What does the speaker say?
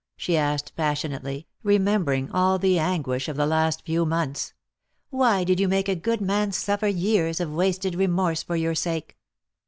she asked passionately, remembering all the anguish of the last few months. " Why did you make a good man suffer years of wasted remorse for your sake